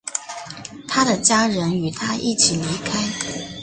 他的家人与他一起离开。